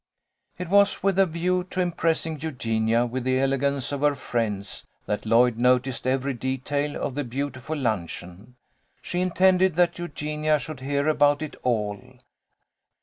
It was with a view to impressing Eugenia with the elegance of her friends, that Lloyd noticed every detail of the beautiful luncheon. She intended that Eugenia should hear about it all.